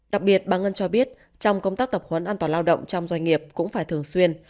đặc biệt bà ngân cho biết trong công tác tập huấn an toàn lao động trong doanh nghiệp cũng phải thường xuyên